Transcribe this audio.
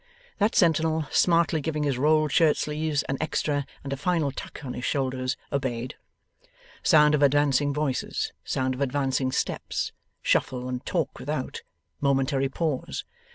That sentinel, smartly giving his rolled shirt sleeves an extra and a final tuck on his shoulders, obeyed. Sound of advancing voices, sound of advancing steps. Shuffle and talk without. Momentary pause.